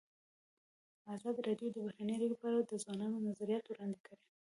ازادي راډیو د بهرنۍ اړیکې په اړه د ځوانانو نظریات وړاندې کړي.